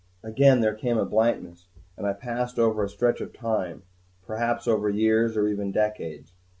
III Again there came a blankness, and I passed over a stretch of time, perhaps over years or even decades.